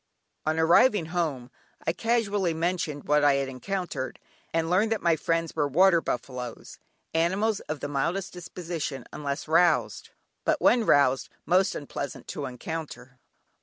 On arriving home, I casually mentioned what I had encountered, and learned that my friends were "water buffalos," animals of the mildest disposition unless roused, but when roused, most unpleasant to encounter.